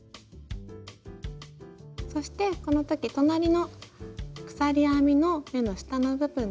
そしてこの時隣の鎖編みの目の下の部分ですね